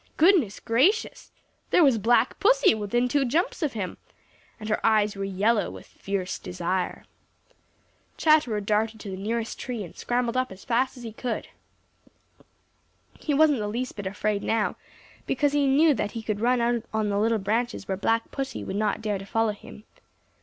Goodness gracious! there was Black Pussy within two jumps of him, and her eyes were yellow with fierce desire. Chatterer darted to the nearest tree and scrambled up as fast as he could. He wasn't the least bit afraid now, because he knew that he could run out on the little branches where Black Pussy would not dare to follow him.